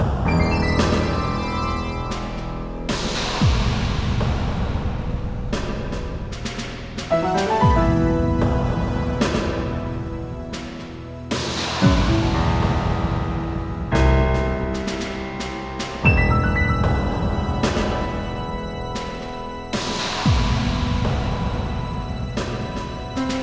hanya anda yang mengeluhkan dia